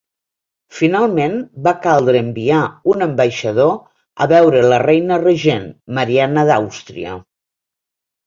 Finalment va caldre enviar un ambaixador a veure a la reina regent, Marianna d'Àustria.